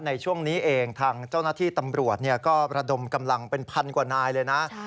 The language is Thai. ในช่วงนี้เองทางเจ้าหน้าที่ตำรวจก็ระดมกำลังเป็นพันกว่านายเลยนะ